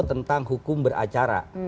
tentang hukum beracara